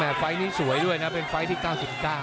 แหมน์ไฟล์ตนี้สวยด้วยน่ะเป็นไฟล์ตที่เก้าสิบเก้า